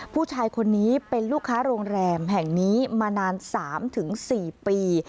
ผู้ชายคนนี้เป็นลูกค้าโรงแรมแห่งนี้มานาน๓๔ปี